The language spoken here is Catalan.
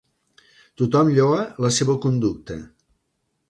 Tothom lloa la seva conducta.